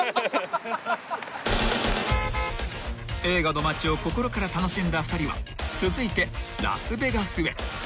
［映画の街を心から楽しんだ２人は続いてラスベガスへ］